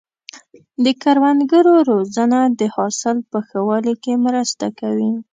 د کروندګرو روزنه د حاصل په ښه والي کې مرسته کوي.